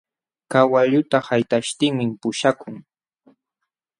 Kawalluta haytaśhtinmi puśhakun.